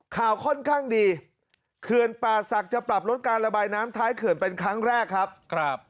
ข่าวค่อนข้างดีเขื่อนป่าศักดิ์จะปรับลดการระบายน้ำท้ายเขื่อนเป็นครั้งแรกครับ